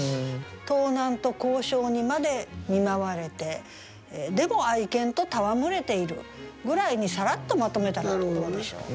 「盗難と咬傷にまで見舞われてでも愛犬とたわむれている」ぐらいにサラッとまとめたらどうでしょう。